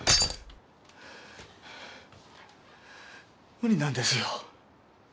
無理なんですよ。